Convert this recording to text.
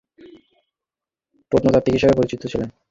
তিনি একাধারে একজন শিল্পী, পণ্ডিত ও প্রত্নতাত্ত্বিক হিসাবেও পরিচিত ছিলেন।